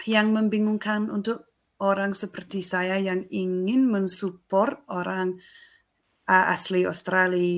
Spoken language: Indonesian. yang membingungkan untuk orang seperti saya yang ingin mensupport orang asli australia